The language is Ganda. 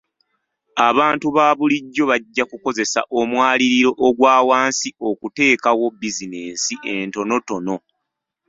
Abantu ba bulijjo bajja kukozesa omwaliriro ogwa wansi okuteekawo bizinensi entonotono.